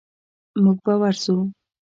موږ به ورسو.